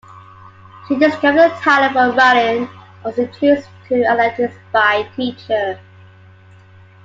She discovered a talent for running and was introduced to athletics by a teacher.